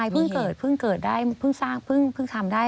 เพิ่งเกิดได้เพิ่งทำได้